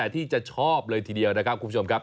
ที่จะชอบเลยทีเดียวนะครับคุณผู้ชมครับ